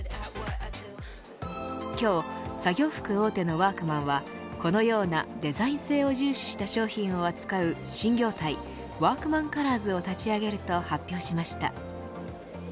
今日、作業服大手のワークマンはこのようなデザイン性を重視した商品を扱う新業態ワークマンカラーズを立ち上げると発表しました。